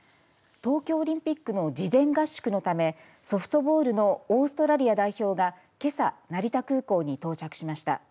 東京オリンピックの事前合宿のためソフトボールのオーストラリア代表がけさ成田空港に到着しました。